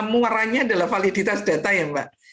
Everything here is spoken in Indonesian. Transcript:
muaranya adalah validitas data ya mbak